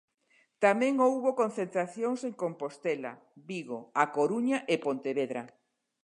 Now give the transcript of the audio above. Tamén houbo concentracións en Compostela, Vigo, A Coruña e Pontevedra.